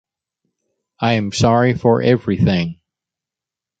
I am sorry for everything.